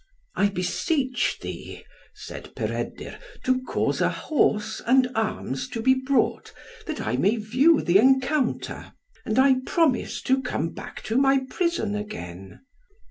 "I beseech thee," said Peredur, "to cause a horse and arms to be brought, that I may view the encounter, and I promise to come back to my prison again."